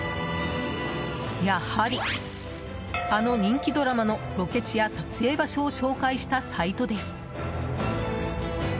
やはり、あの人気ドラマのロケ地や撮影場所を紹介したサイトです。